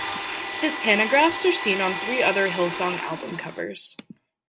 His panographs are seen on three other Hillsong album covers.